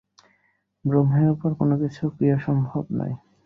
ব্রহ্মের উপর কোন কিছুর ক্রিয়া সম্ভব নয়।